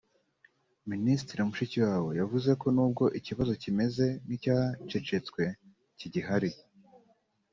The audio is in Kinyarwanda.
Minisitiri Mushikiwabo yavuze ko nubwo ikibazo kimeze nk’icyacecetswe kigihari